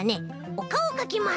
おかおかきます！